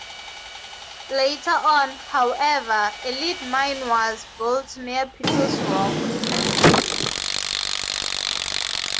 Later on, however, a lead mine was built near Peter's Rock.